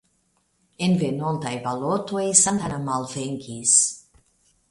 En venontaj balotoj Santana malvenkis.